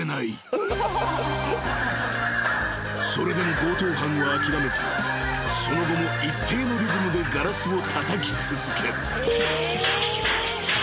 ［それでも強盗犯は諦めずその後も一定のリズムでガラスをたたき続ける］